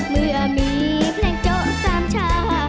เมื่อมีเพลงโจ๊กสามชา